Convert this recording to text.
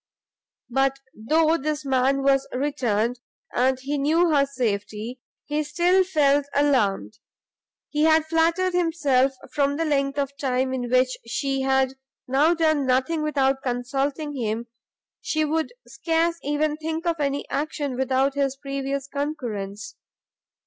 But though this man was returned, and he knew her safety, he still felt alarmed; he had flattered himself, from the length of time in which she had now done nothing without consulting him, she would scarce even think of any action without his previous concurrence.